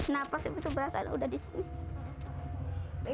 nafas itu berasa udah di sini